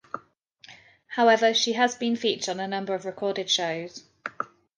However, she has been featured on a number of recorded shows.